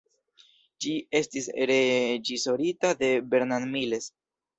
Ĝi estis reĝisorita de Bernard Miles.